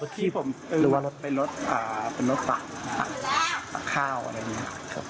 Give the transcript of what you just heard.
ที่ผมซื้อเป็นรถปักปักข้าวอะไรอย่างนี้